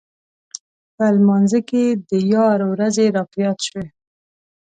په لمانځه کې د یار ورځې راپه یاد شوې.